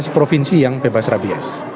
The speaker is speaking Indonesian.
tujuh belas provinsi yang bebas rabies